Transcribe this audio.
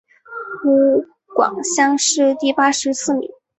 湖广乡试第八十四名。